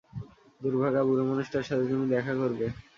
দুর্ভাগা, বুড়ো মানুষটার সাথে তুমি দেখা করবে।